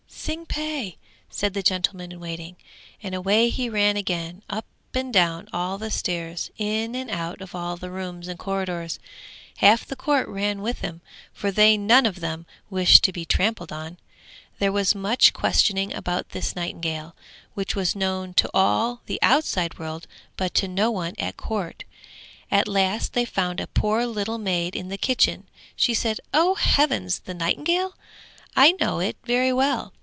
'Tsing pe!' said the gentleman in waiting, and away he ran again, up and down all the stairs, in and out of all the rooms and corridors; half the court ran with him, for they none of them wished to be trampled on. There was much questioning about this nightingale, which was known to all the outside world, but to no one at court. At last they found a poor little maid in the kitchen. She said, 'Oh heavens, the nightingale? I know it very well.